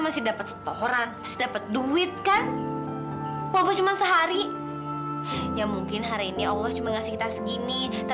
sampai jumpa di video selanjutnya